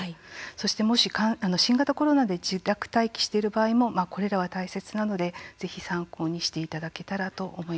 そしてもし、新型コロナで自宅待機している場合もこれらは大切なので、ぜひ参考にしていただけたらと思います。